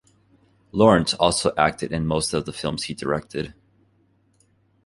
Lawrence also acted in most of the films he directed.